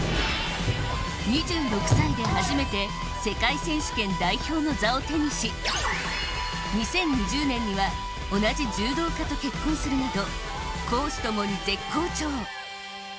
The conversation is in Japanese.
２６歳で初めて世界選手権代表の座を手にし２０２０年には同じ柔道家と結婚するなど公私ともに絶好調。